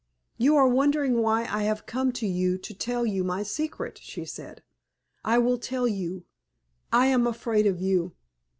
"You are wondering why I have come to you to tell you my secret," she said. "I will tell you. I am afraid of you.